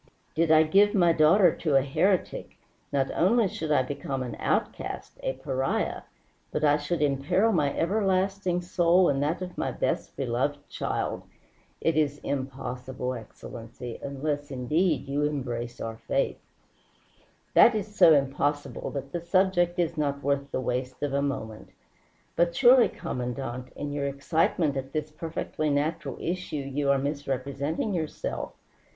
Did I give my daughter to a heretic, not only should I become an outcast, a pariah, but I should imperil my everlasting soul and that of my best beloved child. It is impossible, Excellency unless, indeed, you embrace our faith." "That is so impossible that the subject is not worth the waste of a moment. But surely, Commandante, in your excitement at this perfectly natural issue you are misrepresenting yourself.